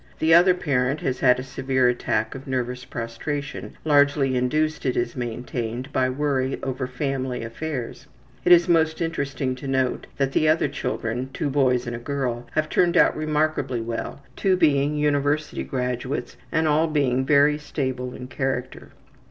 The other parent has had a severe attack of ``nervous prostration,'' largely induced, it is maintained, by worry over family affairs. It is most interesting to note that the other children, two boys and one girl, have turned out remarkably well; two being university graduates, and all being very stable in character.